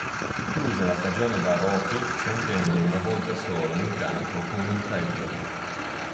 Chiuse la stagione da rookie scendendo una volta solo in campo con un tackle.